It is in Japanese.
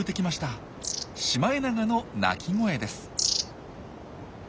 シマエナガの鳴き声です。